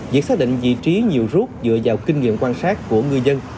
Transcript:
việc xác định vị trí nhiều rút dựa vào kinh nghiệm quan sát của ngư dân